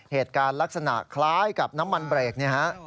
เหตุการณ์ลักษณะคล้ายกับน้ำมันเบรกเนี่ยฮะ